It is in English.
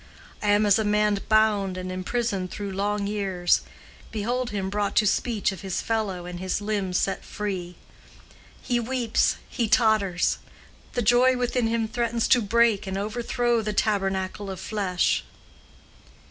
I am as a man bound and imprisoned through long years: behold him brought to speech of his fellow and his limbs set free: he weeps, he totters, the joy within him threatens to break and overthrow the tabernacle of flesh."